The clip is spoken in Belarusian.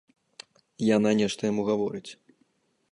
Яна нешта яму гаворыць.